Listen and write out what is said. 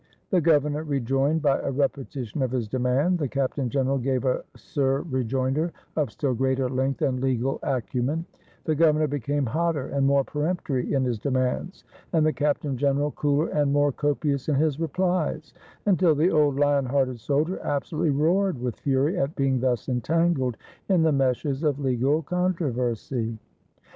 The governor rejoined by a repetition of his demand; the captain general gave a sur re joinder of still greater length and legal acumen; the governor became hotter and more peremptory in his demands, and the captain general cooler and more copious in his replies; until the old lion hearted soldier absolutely roared with fury at being thus entangled in the meshes of legal controversy.